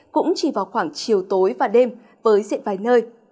cũng chỉ vào khoảng chiều tối và đêm với diện vài nơi